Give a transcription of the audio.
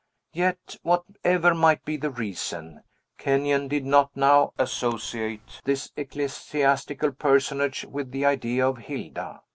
Yet, whatever might be the reason, Kenyon did not now associate this ecclesiastical personage with the idea of Hilda.